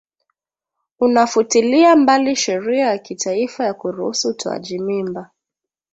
unafutilia mbali sheria ya kitaifa ya kuruhusu utoaji mimba